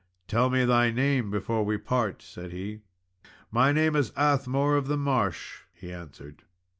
"Tell me thy name before we part," said he. "My name is Athmore of the Marsh," he answered.